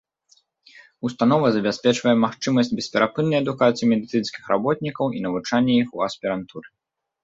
Установа забяспечвае магчымасць бесперапыннай адукацыі медыцынскіх работнікаў і навучанне іх у аспірантуры.